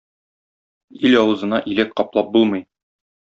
Ил авызына иләк каплап булмый.